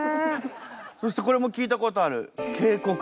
そしてこれも聞いたことある。